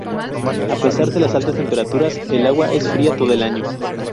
A pesar de las altas temperaturas, el agua es fría todo el año.